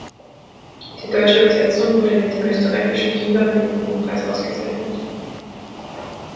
Die deutsche Übersetzung wurde mit dem Österreichischen Kinder- und Jugendbuchpreis ausgezeichnet.